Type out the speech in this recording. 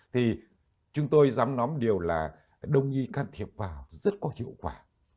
thì chúng tôi dám nói một điều là đông nghi can thiệp vào rất có hiệu quả